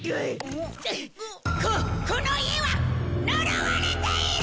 ここの家は呪われている！